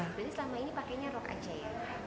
jadi selama ini pakainya rok aja ya